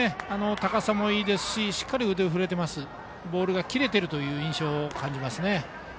高さもいいですし腕も振れていてボールが切れている印象を感じますね。